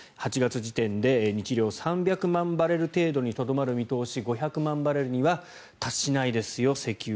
８月時点で日量３００万バレル程度にとどまる見通し５００万バレルには達しないですよ